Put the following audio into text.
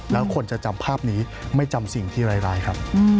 แล้วคนจะจำภาพนี้ไม่จำสิ่งที่ร้ายครับ